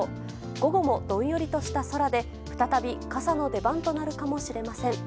午後もどんよりとした空で、再び傘の出番となるかもしれません。